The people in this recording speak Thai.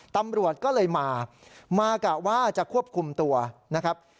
ตำรวจก็เลยมามากะว่าจะควบคุมตัวนะครับ